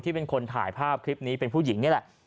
เป็นคนถ่ายภาพคลิปนี้เป็นผู้หญิงนี่แหละ